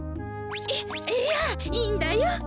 いいやいいんだよ。